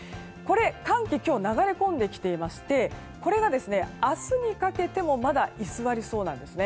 寒気が今日流れ込んできていましてこれが、明日にかけてもまだ居座りそうなんです。